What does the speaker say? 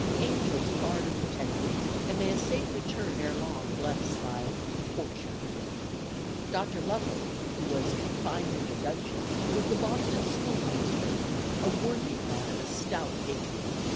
Angels guard and protect thee; and may a safe return ere long bless thy "PORTIA." Dr. Lovell, who was "confined in the dungeon," was the Boston schoolmaster, a worthy man, and a stout patriot.